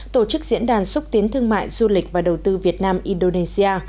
tổ chức diễn đàn xúc tiến thương mại du lịch và đầu tư việt nam indonesia